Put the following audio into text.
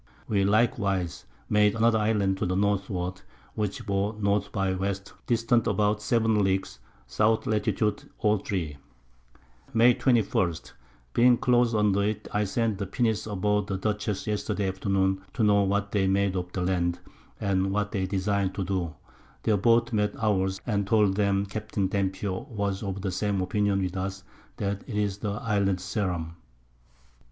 We likewise made another Island to the Northward, which bore N. by W. distant about 7 Leagues. S. Lat. 03. May 21. Being close under it, I sent the Pinnace aboard the Dutchess yesterday Afternoon to know what they made of the Land, and what they design'd to do; their Boat met ours, and told 'em Capt. Dampier was of the same Opinion with us, that it is the Island Ceram.